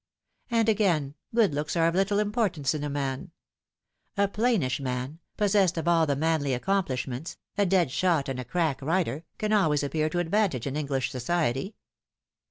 And, again, good looks are of little importance in a man. A plainish man, possessed of all the manly accomplishments, a dead shot and a crack rider, can always appear to advantage in Eng lish society.